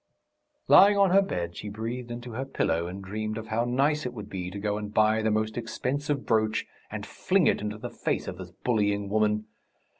Lying on her bed she breathed into her pillow and dreamed of how nice it would be to go and buy the most expensive brooch and fling it into the face of this bullying woman.